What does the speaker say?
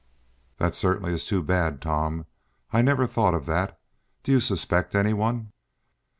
"That certainly is too bad, Tom. I never thought of that. Do you suspect any one?"